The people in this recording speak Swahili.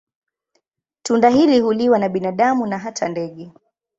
Tunda hili huliwa na binadamu na hata ndege.